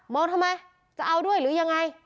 ทำไมจะเอาด้วยหรือยังไง